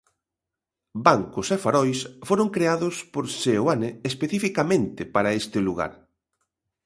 Bancos e farois foron creados por Seoane especificamente para este lugar.